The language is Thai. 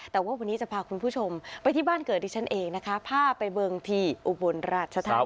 แต่ว่าวันนี้จะพาคุณผู้ชมไปที่บ้านเกิดที่ฉันเองนะคะพาไปเบิงที่อุบลราชธานี